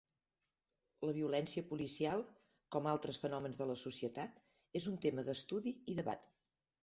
La violència policial, com altres fenòmens de la societat, és un tema d'estudi i debat.